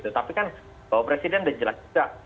tapi kalau presiden sudah jelas juga